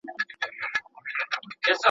زه سبا لپاره پلان جوړ کړی دی،